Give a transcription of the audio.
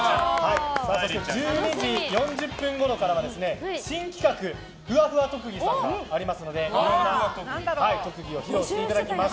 そして１２時４０分ごろからは新企画のふわふわ特技さんがありますので特技を披露していただきます。